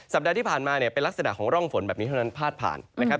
ปัดที่ผ่านมาเนี่ยเป็นลักษณะของร่องฝนแบบนี้เท่านั้นพาดผ่านนะครับ